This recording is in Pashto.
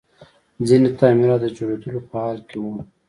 ځینې تعمیرات د جوړېدلو په حال کې وو